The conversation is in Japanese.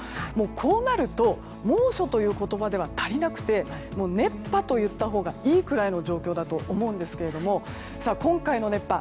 こうなると猛暑という言葉では足りなくて熱波と言ったほうがいいくらいの状況だと思うんですが今回の熱波